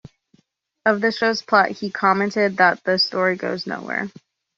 Of the show's plot, he commented that the story goes nowhere.